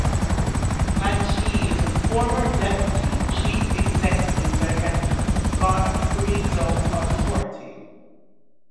And she is the former Deputy Chief Executive Director of Ghana Free Zones Authority